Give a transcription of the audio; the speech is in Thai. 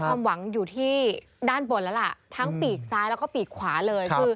ความหวังอยู่ที่ด้านบนแล้วล่ะทั้งปีกซ้ายแล้วก็ปีกขวาเลยคือ